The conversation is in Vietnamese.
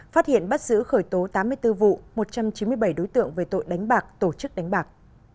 phát hiện bắt giữ khởi tố tám mươi bốn vụ một trăm chín mươi bảy đối tượng về tội đánh bạc tổ chức đánh bạc